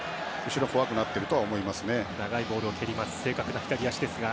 後ろが怖くなっていると思いますね。